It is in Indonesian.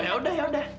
oh yaudah yaudah